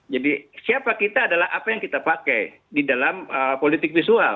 jadi siapa kita adalah apa yang kita pakai di dalam politik visual